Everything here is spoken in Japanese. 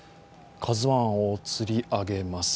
「ＫＡＺＵⅠ」をつり上げます。